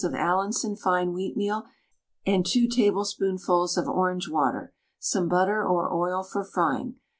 of Allinson fine wheatmeal, and 2 tablespoonfuls of orange water, some butter or oil for frying.